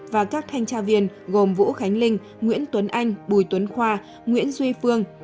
và các thanh tra viên gồm vũ khánh linh nguyễn tuấn anh bùi tuấn khoa nguyễn duy phương